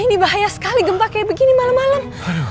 ini bahaya sekali gempa kayak begini malem malem